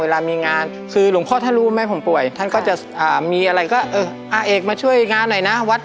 เวลามีงานคือหลวงพ่อถ้ารู้แม่ผมป่วยท่านก็จะมีอะไรก็เอออาเอกมาช่วยงานหน่อยนะ